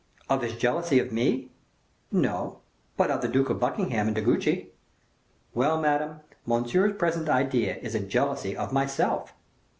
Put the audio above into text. "Of his jealousy of me?" "No, but of the Duke of Buckingham and De Guiche." "Well, Madame, Monsieur's present idea is a jealousy of myself."